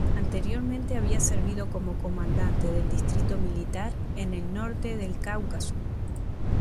Anteriormente había servido como comandante del distrito militar en el norte del Cáucaso.